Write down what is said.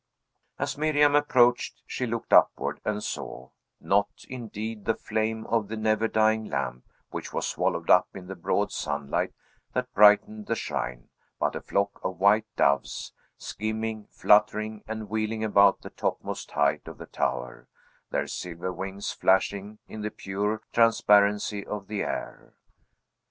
As Miriam approached, she looked upward, and saw, not, indeed, the flame of the never dying lamp, which was swallowed up in the broad sunlight that brightened the shrine, but a flock of white doves, skimming, fluttering, and wheeling about the topmost height of the tower, their silver wings flashing in the pure transparency of the air.